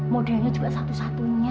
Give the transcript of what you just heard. modelnya juga satu satunya